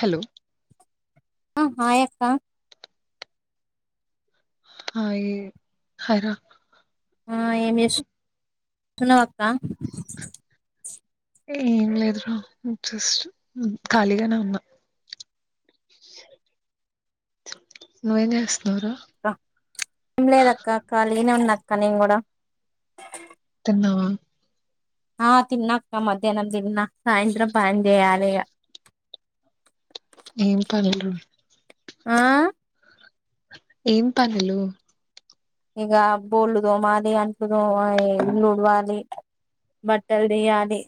Hello ఆ హయక్క hi హాయ్ర ఆ ఏమి చే స్తున్నావ్ కా ఏం లేదు రా జస్ట్ ఖాళీగానే ఉన్నా నువ్వేం చేస్ అ నిమ్లే అదక్క కాలనివ క నేన్ కూడా నా ఆ తిన్న అక్క మధ్యాహ్నం తిన్నా సాయంత్ర పా అందే ఏం పని ఆ ఏం పనులు ఇక బోర్లు దోమాలి అంటట్ దోమ డవాలి బట్టలు తీయాలి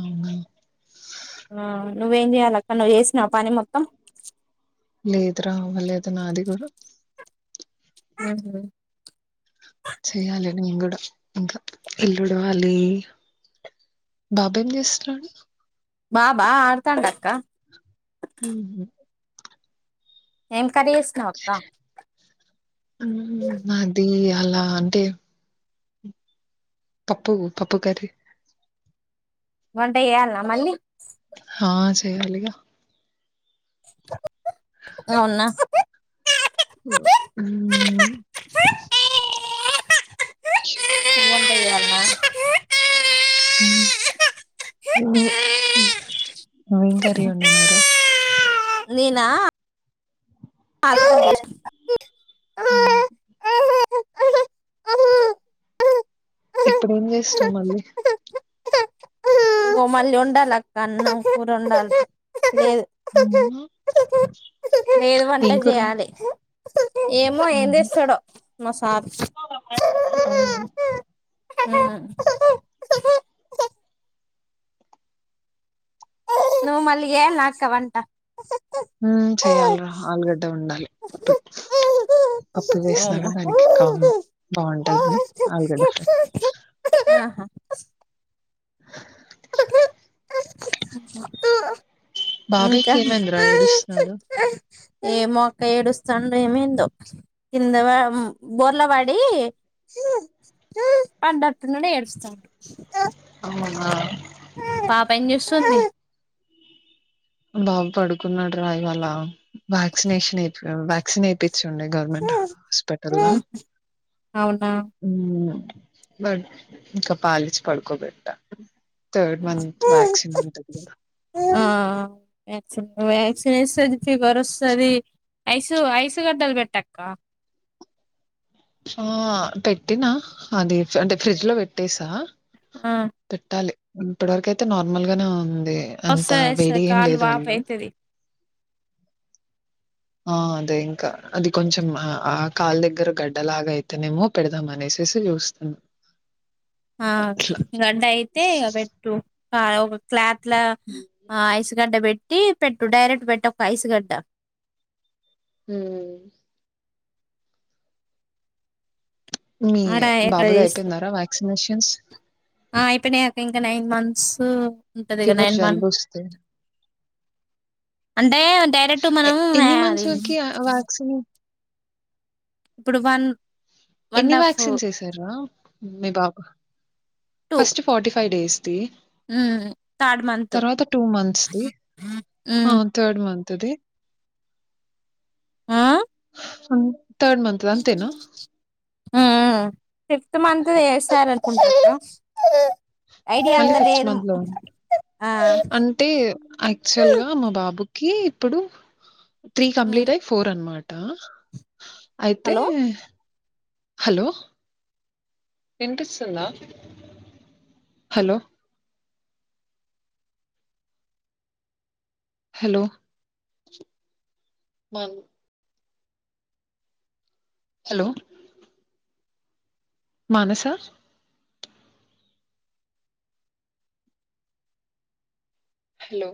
అవునా ఆ నువ్వేం చేయాలి అక్క నువ్వు చేసినవు పని మొత్తం లేదుర అవ్వాలేదు నాది కూడా మ్ హు చెయాలి నేను కూడా ఇంకా ఇల్లుడవాలి బాబా ఏం చేస్తున్నాడు బా బా ఆడతండు అక్క మ్ హు ఎం అది అలా అంటే పప్పు పప్పు కర వంట చేయాలన్నా మళ్ళీ ఆ చేయాలగా అవున్నా మ్మ్. ఏం చేయాలన్నా ఎం కర్రీ వండినావురా నేనా [unintelligible] మ్ ఇప్పుడేం చేస్ చమంది గోమల్లి ఉండాల అక్క అన్నం కూర ఉండల లేదు అవునా లేదు వంట ఏం కూర చేయాలి ఏమో ఏం చేస్తాడో మా సార్ అవునా ఉహుమ్ నువ్వు మళ్ళీ చేయలన అక్క వంట హమ్ చేయాలరా ఆలుగడ్డ ఉండాలి ఇప్పుడు పప్పు వేసినాక అవునా దానికి కా ఆహా బాగుంటందని ఆలుగడ్డ బాబాయ్కి ఇంకా ఏమైందిరా ఏడుస్తున్నాడు ఏ మొక్క ఏడుస్తాండో ఏమైందో కింద బోర్ల పడి పడుట్టునడు ఏడుస్తాడు అవునా పాప ఏంచేస్తుంది బాబు పడుకున్నాడు రా ఇవాలా వ్యాక్సినేషన్ వ్యాక్సిన్ వేయించం గవర్నమెంట్ హాస్పిటల్ లో ఉమ్. అవునా బట్ ఇంకా పాలించి పడుకోబెట్ట థర్డ్ మంత్ వ్యాక్సిన్ ఉంటది కదా వన్ వ్యాక్సిన్ వేస్తుంది ఫీవర్ వస్తుంది ఐసు ఐసు గడ్డలు పెట్టక్క ఆ పెట్టినా అది అంటే ఫ్రిడ్జ్ లో పెట్టేసా ఆ పెట్టాలి ఇప్పటివరకయితే నార్మల్ గానే ఉ అదే అంతా వస్తది వేడి వస్తది ఏం కాలు లేదు వాపు వొళ్ళు అయితది ఆ అదే ఇంకా అది కొంచెం ఆ కాలు దగ్గర గడ్డలాగా అయితేనేమో పెడదామ అనేసి చూస్తున్న ఆ గడ్డ అయితే ఇగా పెట్టు కా క్లాత్ ల హ్మ్. ఐస్ గడ్డ పెట్టి పెట్టు డైరెక్ట్ పెట్ట ఒక ఐసు గడ్డ ఉమ్ మీ అ రాక్క బాబుది చేస్త అయిపోయిందారా వ్యాక్సినేషన్స్? అయిపోనా ఇంకా నైన్ మంత్ సో ఉంటది కదా ఫీవర్, నైన్ మంత్ జలుబొస్తే అంటే డైరెక్ట్ ఎ మనం ఎన్ని అది మంత్స్‌కి ఆ వ్యాక్సిన్ ఇప్పుడు వన్ వన్ ఎన్ని హాఫ్ వ్యాక్సిన్స్ వేసరా మీ బాబు టూ ఫస్ట్ ఫోర్టీ ఫ ఫైవ్ డేస్ కి థర్డ్ మంత్ తర్వాత టూ మంత్స్ కి హా థర్డ్ మంత్ తది ఆ థర్డ్ మంత్ అంతేనా ఆ ఫిఫ్త్ మంత్ ఏస్తార కుంట మళ్ళీ ఫిఫ్త్ మంత్ లో ఉ ఆ అంటే యాక్చువల్ గా మా బాబు క ఇప్పుడు త్రీ కంప్లీట్ ఆయి ఫోర్ అన్న అయితే హలో హలో వినిపిస్తుందా hello hello hello Manasa hello